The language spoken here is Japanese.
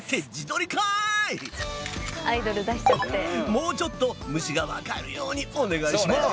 もうちょっと虫がわかるようにお願いします！